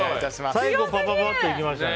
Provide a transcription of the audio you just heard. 最後、パパパッといきましたね。